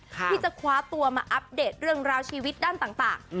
ที่จะคว้าตัวมาอัปเดตเรื่องราวชีวิตด้านต่าง